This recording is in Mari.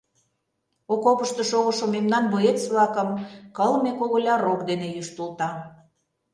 Окопышто шогышо мемнан боец-влакым кылме комыля рок дене йӱштылта.